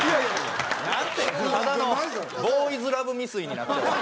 ただのボーイズラブ未遂になって終わって。